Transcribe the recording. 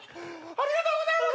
ありがとうございます！